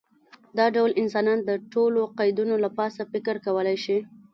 دا ډول انسان د ټولو قیدونو له پاسه فکر کولی شي.